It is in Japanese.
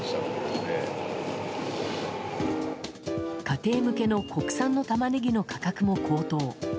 家庭向けの国産のタマネギの価格も高騰。